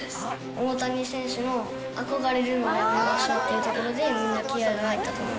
大谷選手の憧れるのをやめましょうっていうところで、みんな気合いが入ったと思う。